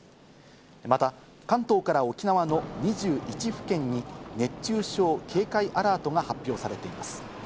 また、関東から沖縄の２１府県に熱中症警戒アラートが発表されています。